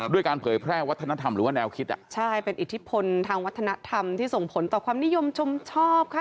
การเผยแพร่วัฒนธรรมหรือว่าแนวคิดอ่ะใช่เป็นอิทธิพลทางวัฒนธรรมที่ส่งผลต่อความนิยมชมชอบค่ะ